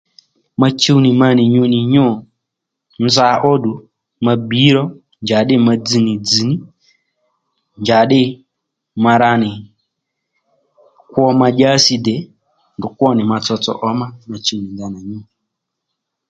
Ma chuw nì ma nì nyǔ nì nyû nza óddù ma bbǐy ro njàddí ma dzz nì dzz̀ ní njàddí ma ra nì kwo ma dyási dè ndrǔ kwó nì ma tsotso ǒmá ma chuw nì ndanà nyû